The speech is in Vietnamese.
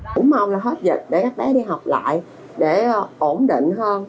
cũng mong là hết dịch để các bé đi học lại để ổn định hơn